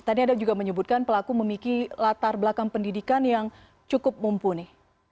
tadi anda juga menyebutkan pelaku memiki latar belakang pendidikan yang cukup mumpuni